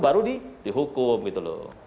baru dihukum gitu loh